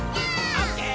「オッケー！